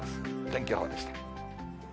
天気予報でした。